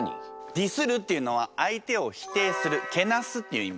「ディスる」っていうのは相手を否定するけなすっていう意味。